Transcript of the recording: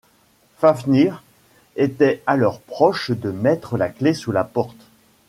Fafnir était alors proche de mettre la clé sous la porte.